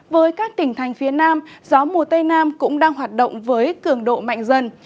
với các tỉnh thành phía nam gió mùa tây nam cũng đang hoạt động với cường độ mạnh dần